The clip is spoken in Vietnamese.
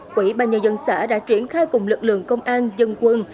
quỹ ban nhân dân xã đã triển khai cùng lực lượng công an dân quân